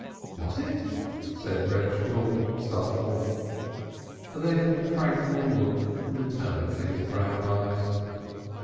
"Was it?" said Reb Shemuel, startled. Then the tranquil look returned to his brown eyes.